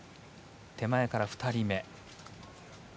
手前から２人目。